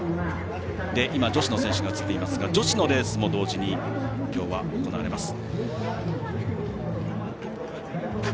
今、女子の選手が映っていますが女子のレースも同時に今日は行われます。